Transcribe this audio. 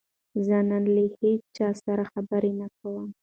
زه نن له هیچا سره خبرې نه کوم.